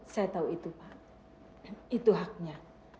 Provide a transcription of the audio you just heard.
saya tahu itu pak itu haknya